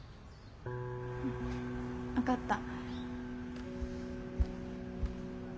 分かった。